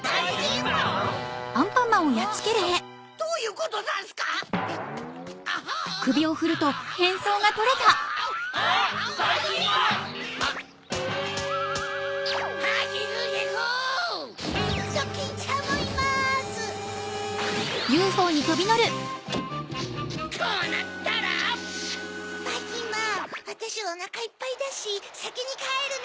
ばいきんまんわたしおなかいっぱいだしさきにかえるね！